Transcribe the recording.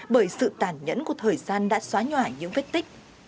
bởi sự tàn nhẫn của thời gian đã xóa nhỏ những vết tích